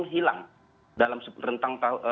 yang hilang dalam rentang